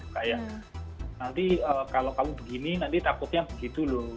kayak nanti kalau kamu begini nanti takutnya begitu loh